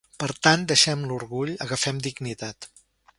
Per tant, deixem l’orgull, agafem dignitat.